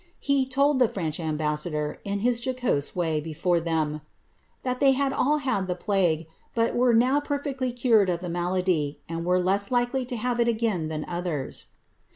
He told the French ambassador, in his jocose way, before them, ^ that they had all had the plague, but were now perfectly cured of the malady, and were less likely to have it again than others."